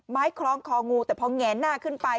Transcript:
คล้องคองูแต่พอแงนหน้าขึ้นไป